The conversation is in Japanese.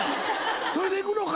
それでいくのか？